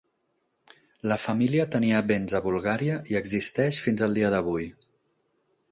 La família tenia béns a Bulgària i existeix fins al dia d'avui.